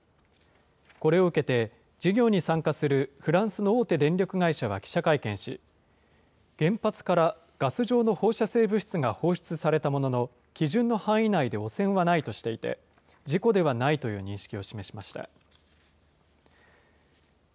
これを受けて、事業に参加するフランスの大手電力会社は記者会見し、原発からガス状の放射性物質が放出されたものの、基準の範囲内で汚染はないとしていて、事故ではないという認識を示しました。